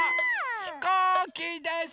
ひこうきです！